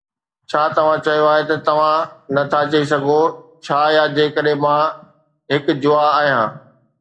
ڇا توهان چيو آهي ته توهان نٿا چئي سگهو 'ڇا يا جيڪڏهن مان هڪ جوا آهيان؟